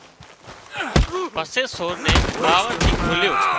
پسي سور نين ٻاوۯ ٿي کوليو